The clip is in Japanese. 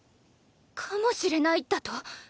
かもしれないだと？